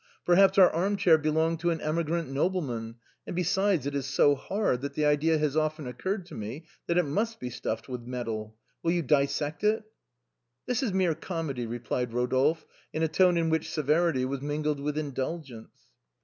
perhaps our arm chair belonged to an emi grant nobleman; and, besides, it is so hard that the idea has often occurred to me that it must be stuffed with metal. Will you dissect it?" " This is mere comedy," replied Rodolphe, in a tone in which severity was mingled with indulgence.